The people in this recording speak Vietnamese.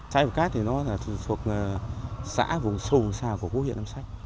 xã hiệp cát thì nó thuộc xã vùng sông xa của quốc hiện